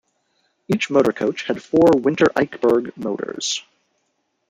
Each motor coach had four Winter Eichberg motors.